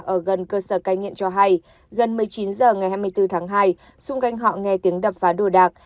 ở gần cơ sở cai nghiện cho hay gần một mươi chín h ngày hai mươi bốn tháng hai xung quanh họ nghe tiếng đập phá đồ đạc